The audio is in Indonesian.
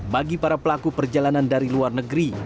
bagi para pelaku perjalanan dari luar negeri